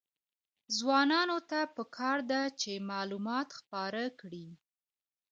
ځوانانو ته پکار ده چې، معلومات خپاره کړي.